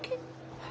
はい。